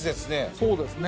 そうですね。